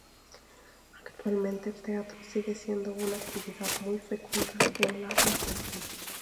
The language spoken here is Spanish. Actualmente el teatro sigue siendo una actividad muy fecunda en la Argentina.